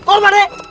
turun mbak dino